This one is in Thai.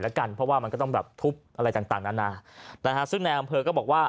เพราะว่ามันก็ต้องแบบทุบอะไรต่างต่างด้านหน้าแต่ฮะซึ่งแนวอำเภอก็บอกว่า